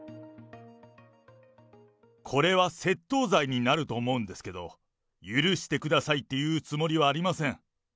これは窃盗罪になると思うんですけど、許してくださいって言うつもりはありません。